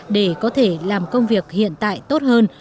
để có thể làm công việc hiện tại tốt hơn